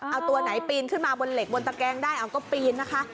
เอาตัวไหนปีนขึ้นมาบนเหล็กบนตะแกงได้เอาก็ปีนนะคะ